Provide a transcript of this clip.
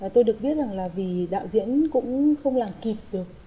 tôi được biết rằng là vì đạo diễn cũng không làm kịp được